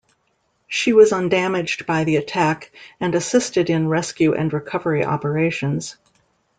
She was undamaged by the attack and assisted in rescue and recovery operations.